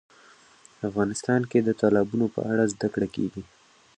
افغانستان کې د تالابونو په اړه زده کړه کېږي.